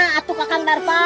itu kakang darpa